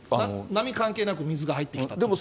波関係なく水が入ってきたとか。